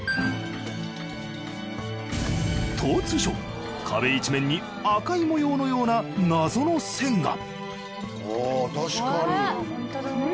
突如壁いちめんに赤い模様のような謎の線があぁ。